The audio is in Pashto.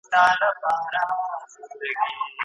لاندي مځکه هره لوېشت ورته سقر دی